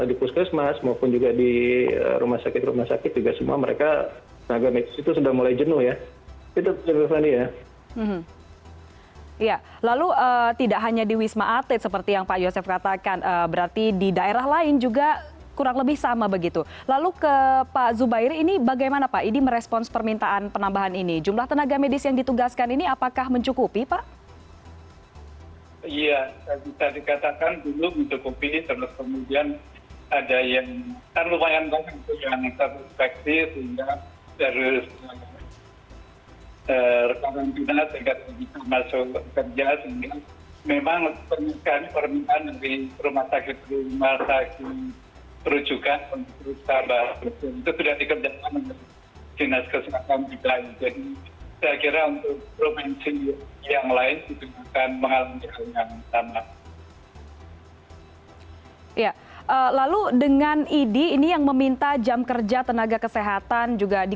iya tadi katakan dulu mencukupi terus kemudian ada yang kan lumayan banyak yang satu perspektif sehingga dari rekaman bina sehingga masuk kerja sehingga memang permintaan permintaan dari rumah sakit rumah sakit perucukan perusahaan itu sudah dikerjakan oleh dinas kesehatan bidai